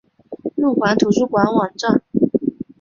路环图书馆网站